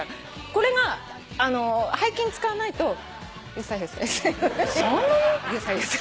これが背筋使わないとゆさゆさ。